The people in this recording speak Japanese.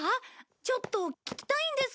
ちょっと聞きたいんですけど。